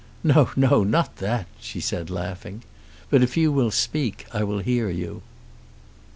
"No; no; not that," she said laughing. "But if you will speak, I will hear you."